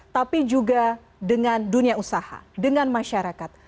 tapi juga dengan dunia usaha dengan masyarakat